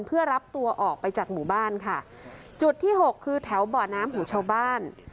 เพื่อรับตัวออกไปจากหมู่บ้านค่ะจุดที่หกคือแถวบ่อน้ำของชาวบ้าน